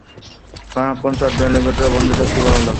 সারাক্ষণ চার দেয়ালের ভিতরে বন্দি থাকতে ভালো লাগে?